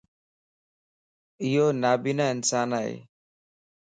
ايونابينا انسان ائي